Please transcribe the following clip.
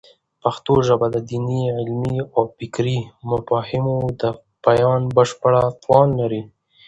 پښتو ژبه د دیني، علمي او فکري مفاهیمو د بیان بشپړ توان لري.